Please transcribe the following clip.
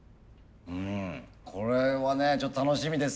うんこれはねちょっと楽しみです。